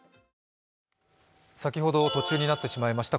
先ほど途中になってしまいました